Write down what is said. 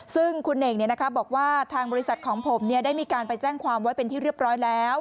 ซึ่งคุณเน่งบอกว่าทางบริษัทของผมได้มีการไปแจ้งความไว้เป็นที่เรียบร้อยแล้ว